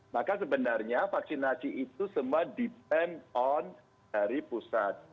maka sebenarnya vaksinasi itu semua ditemp on dari pusat